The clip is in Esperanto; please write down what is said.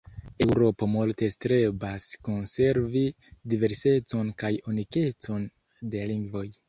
Eŭropo multe strebas konservi diversecon kaj unikecon de lingvoj.